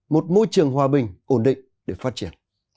một môi trường hòa bình ổn định để phát triển